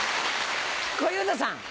小遊三さん。